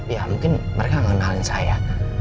ya mungkin mereka mengenalin saya